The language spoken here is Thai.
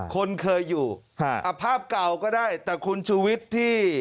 คนเคยอยู่ภาพเก่าก็ได้แต่คุณชูวิทย์ที่